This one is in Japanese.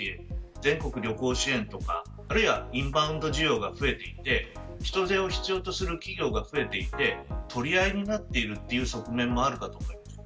全国旅行支援とかインバウンド需要が増えていて人手を必要とする企業が増えていて取り合いになっている側面もあると思います。